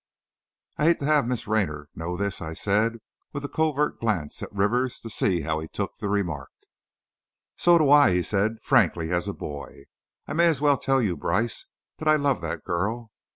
"I hate to have Miss Raynor know this," I said with a covert glance at Rivers, to see how he took the remark. "So do I," he said, as frankly as a boy; "I may as well tell you, Brice, that I love that girl.